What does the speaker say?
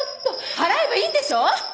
払えばいいんでしょ！？